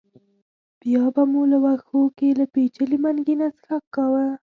بیا به مو له وښو کې له پېچلي منګي نه څښاک کاوه.